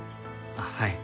はい。